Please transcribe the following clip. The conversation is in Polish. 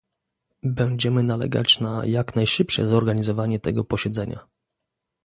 Będziemy nalegać na jak najszybsze zorganizowanie tego posiedzenia